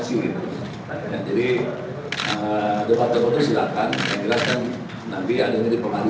tidak ada di luar rantai komando tni